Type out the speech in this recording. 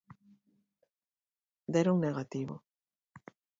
Deron negativo.